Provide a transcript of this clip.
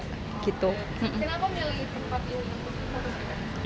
kenapa memilih tempat ini untuk dikonsumsi